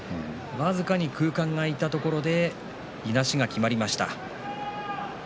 僅かに空間が空いたところで、いなしがきまりました。